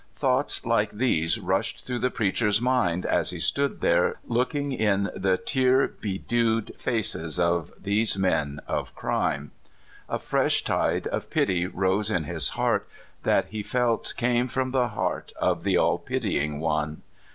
Thoughts hke these rushed through the preacher's mind, as he stood there looking in the tear bedewed faces of these men of crime. A fresh tide of pity rose in his heart, that he felt came from the heart of the all pitying One.